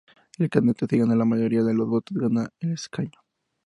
El candidato que gana la mayoría de los votos gana el escaño.